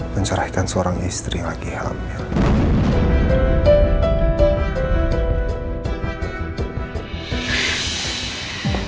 mencerahkan seorang istri lagi hamil